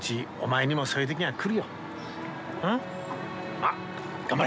まあ頑張れ。